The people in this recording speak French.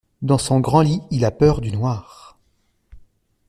Dans son grand lit, il a peur du noir.